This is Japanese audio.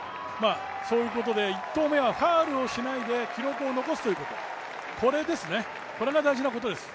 そういうことで、１投目はファウルをしないで記録を残すということ、これが大事なことです。